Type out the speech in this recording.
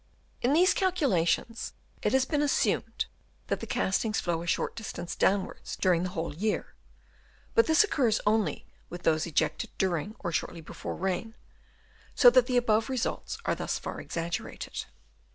In these calculations it has been assumed that the castings flow a short distance down wards during the whole year, but this occurs only with those ejected during or shortly 272 DENUDATION OF THE LAND Chap. VI. before rain ; so that the above results are thus far exaggerated.